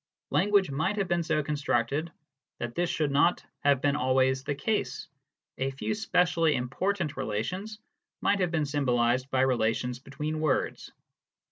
Language might have been so con structed that this should not have been always the case : a few specially important relations might have been symbolised by relations between words.